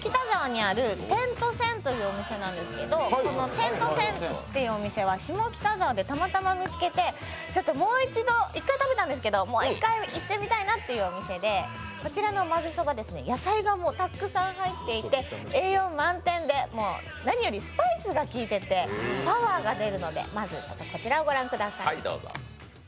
点と線．っていうお店は下北沢でたまたま見つけて一回食べたんですけど、もう一回行ってみたいなというお店で、こちらのまぜそばは野菜がたくさん入っていて栄養満点、もう何よりスパイスが効いててパワーが出るのでまずこちらをご覧ください。